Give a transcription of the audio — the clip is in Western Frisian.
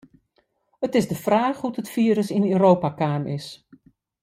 It is de fraach hoe't it firus yn Europa kaam is.